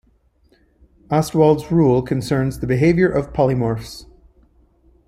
Ostwald's rule concerns the behaviour of polymorphs.